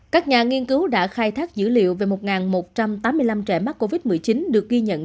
các nhà nghiên cứu đã khai thác dữ liệu về một một trăm tám mươi năm trẻ mắc covid một mươi chín được ghi nhận